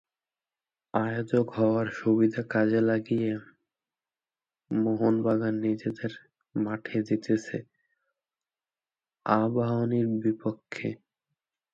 আয়োজক হওয়ার সুবিধা কাজে লাগিয়ে মোহনবাগান নিজেদের মাঠে জিতেছে আবাহনীর বিপক্ষে।